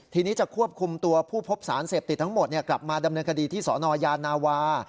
ทีนี้จะควบคุมตัวผู้พบสารเสพติดทั้งหมดกลับมาดำเนินคดีที่สนยานาวา